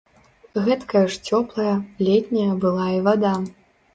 Гэткая ж цёплая, летняя была і вада.